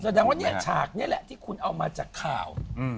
แสดงว่าเนี่ยฉากนี่แหละที่คุณเอามาจากข่าว